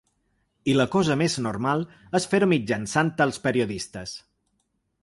I la cosa més normal és fer-ho mitjançant els periodistes.